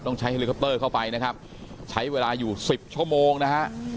ใช้เฮลิคอปเตอร์เข้าไปนะครับใช้เวลาอยู่สิบชั่วโมงนะฮะ